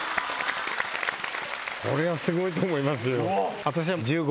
これはすごいと思いますよ